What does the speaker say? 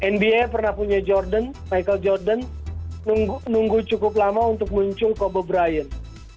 nba pernah punya jordan michael jordan nunggu cukup lama untuk muncul kobo brian